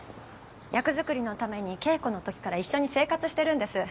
役作りのために稽古のときから一緒に生活してるんです。